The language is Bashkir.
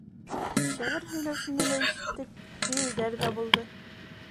Шиғыр һөйләүсене лә ишеттек, бейеүҙәр ҙә булды.